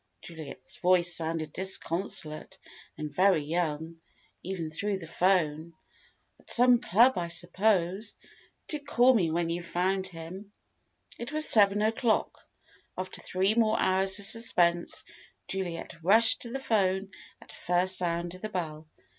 (Juliet's voice sounded disconsolate and very young, even through the 'phone.) "At some club, I suppose. Do call me when you've found him." It was seven o'clock.... After three more hours of suspense Juliet rushed to the telephone at first sound of the bell.